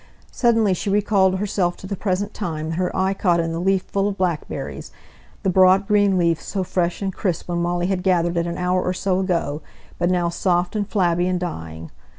Suddenly she recalled herself to the present time, and her eye caught on the leaf full of blackberries the broad, green leaf, so fresh and crisp when Molly had gathered it an hour or so ago, but now soft and flabby, and dying.